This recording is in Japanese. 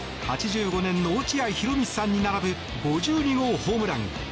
８５年の落合博満さんに並ぶ５２号ホームラン。